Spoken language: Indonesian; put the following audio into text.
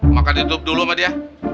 maka ditutup dulu sama dia